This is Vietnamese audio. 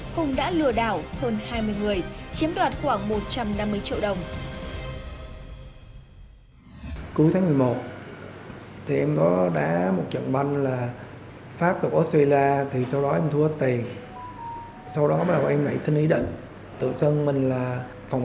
hùng đã lừa đảo hơn hai mươi người chiếm đoạt khoảng một trăm năm mươi triệu đồng